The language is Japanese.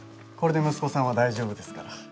これで息子さんは大丈夫ですから。